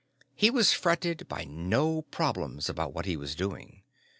He was fretted by no problems about what he was doing.